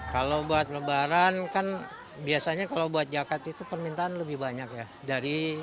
kalau buat lebaran kan biasanya kalau buat jaket itu permintaan lebih banyak ya